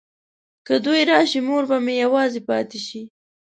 که دوی راشي مور به مې یوازې پاته شي.